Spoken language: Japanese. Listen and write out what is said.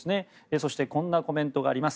そしてこんなコメントがあります。